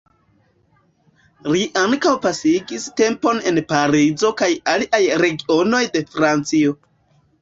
Li ankaŭ pasigis tempon en Parizo kaj aliaj regionoj de Francio.